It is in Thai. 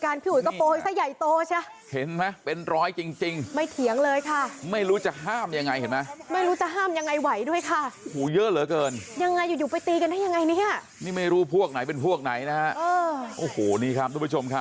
อะไรขนาดนี้เนี่ยไปดูนะฮะอะไรขนาดนี้เนี่ยไปดูนะฮะ